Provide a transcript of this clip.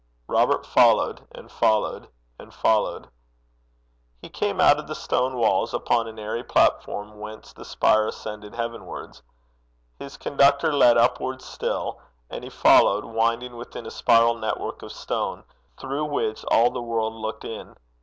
Robert followed and followed and followed. He came out of stone walls upon an airy platform whence the spire ascended heavenwards. His conductor led upward still, and he followed, winding within a spiral network of stone, through which all the world looked in.